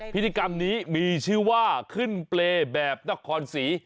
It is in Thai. พิธีกรรมนี้มีชื่อว่าขึ้นเปรย์แบบนครศรี